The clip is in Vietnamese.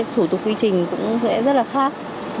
thủ tục quy trình cũng sẽ rất là khác